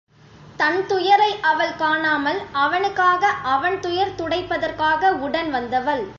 தன் துயரை அவள் காணாமல் அவனுக்காக அவன் துயர் துடைப்பதற்காக உடன் வந்தவள்.